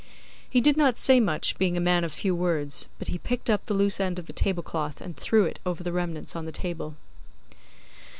He did not say much, being a man of few words; but he picked up the loose end of the tablecloth and threw it over the remnants on the table.